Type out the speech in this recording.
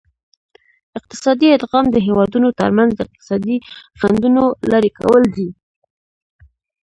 اقتصادي ادغام د هیوادونو ترمنځ د اقتصادي خنډونو لرې کول دي